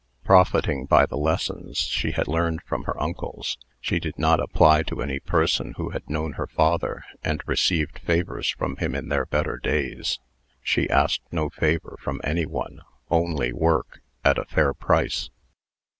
Profiting by the lessons she had learned from her uncles, she did not apply to any person who had known her father and received favors from him in their better days. She asked no favor from any one only work, at a fair price.